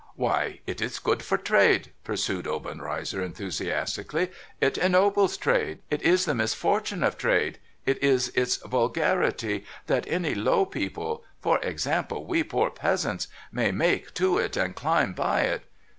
' Why, it is good for trade !' pursued Obenreizer, enthusiastically. * It ennobles trade ! It is the misfortune of trade, it is its vulgarity, that any low people — for example, we poor peasants — may take to it and climb by it.